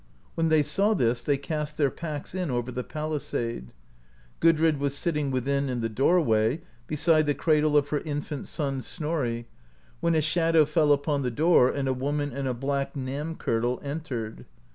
When they saw this they cast their packs in over the palisade. Gudrid was sitting within, in the doorway, beside the cradle of her infant son, Snorri, when a shadow fell upon the door, and a woman in a black nam kirtle (70) entered.